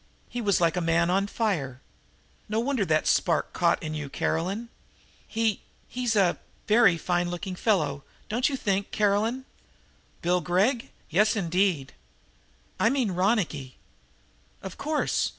He was like a man on fire. No wonder that a spark caught in you, Caroline. He he's a very fine looking fellow, don't you think, Caroline?" "Bill Gregg? Yes, indeed." "I mean Ronicky." "Of course!